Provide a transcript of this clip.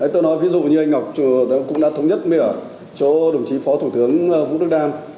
tôi nói ví dụ như anh ngọc cũng đã thống nhất ở chỗ đồng chí phó thủ tướng vũ đức đam